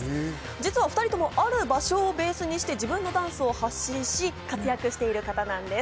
実はお２人ともあれ場所をベースにして自分のダンスを発信し、活躍している方なんです。